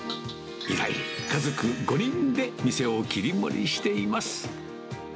家族５人で店を切り盛りしています。